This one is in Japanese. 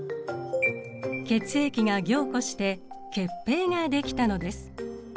血液が凝固して血ぺいができたのです。